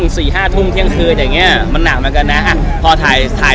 สี่ห้าทุ่มเที่ยงคืนอย่างเงี้ยมันหนักเหมือนกันนะพอถ่ายถ่าย